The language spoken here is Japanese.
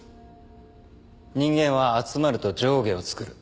人間は集まると上下を作る。